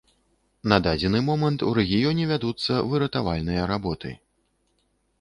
На дадзены момант у рэгіёне вядуцца выратавальныя работы.